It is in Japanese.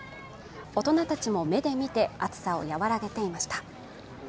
大人たちも、目で見て暑さを和らげていました。